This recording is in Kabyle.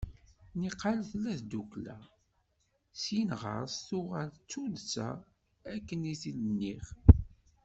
Niqal tella d tidukla, syin ɣer-s tuɣal d tuddsa akken i t-id-nniɣ.